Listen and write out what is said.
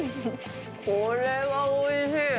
これはおいしい。